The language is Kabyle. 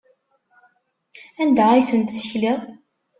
Anda ay tent-tekliḍ?